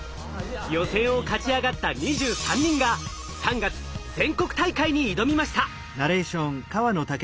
予選を勝ち上がった２３人が３月全国大会に挑みました。